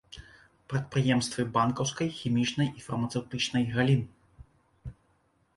Прадпрыемствы банкаўскай, хімічнай і фармацэўтычнай галін.